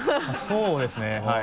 そうですねはい。